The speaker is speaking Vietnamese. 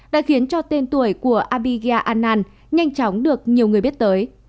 đã khiến cho tên tuổi của abhigya anand nhanh chóng được nhiều người biết tới